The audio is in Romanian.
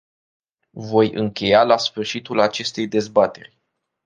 Voi încheia la sfârșitul acestei dezbateri.